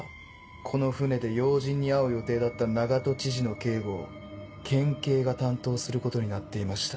この船で要人に会う予定だった長門知事の警護を県警が担当することになっていました。